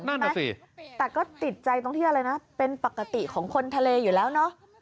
นั่นน่ะสิแต่ก็ติดใจตรงที่อะไรนะเป็นปกติของคนทะเลอยู่แล้วเนอะ